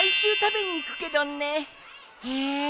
へえ。